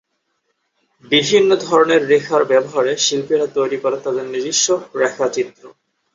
বিভিন্ন ধরনের রেখার ব্যবহারে শিল্পীরা তৈরি করেন তাদের নিজস্ব রেখাচিত্র।